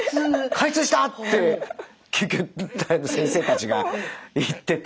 「開通した」って救急隊の先生たちが言ってて。